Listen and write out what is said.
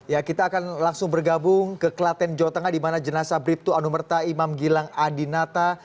ya kita akan langsung bergabung ke klaten jawa tengah di mana jenazah bribtu anumerta imam gilang adinata